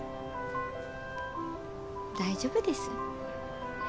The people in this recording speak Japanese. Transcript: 大丈夫です。